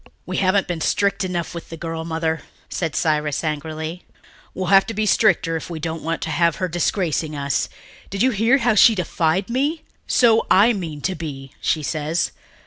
"We haven't been strict enough with the girl, Mother," said Cyrus angrily. "We'll have to be stricter if we don't want to have her disgracing us. Did you hear how she defied me? 'So I mean to be,' she says.